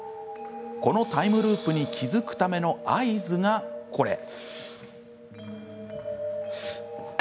このタイムループに気付くための合図が、これ。